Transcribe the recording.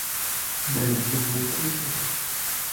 Δε θα τον βοηθήσεις;